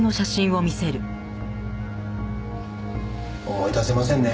思い出せませんね。